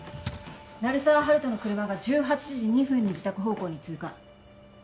鳴沢温人の車が１８時２分に自宅方向に通過